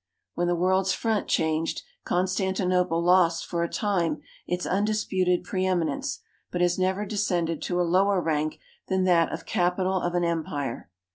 When the world's front changed, Constantinoi^le lost for a time its un disputed i)reeminence, but has never descended to a lower rank than that of cai)ital of an empire.